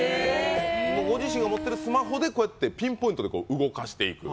ご自身が持ってるスマホでピンポイントで動かしていく。